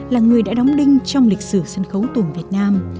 là người đã đóng đinh trong lịch sử sân khấu tuồng việt nam